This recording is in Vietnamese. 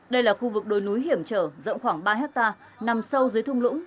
đây là khu vực đồi núi hiểm trở rộng khoảng ba hectare nằm sâu dưới thung lũng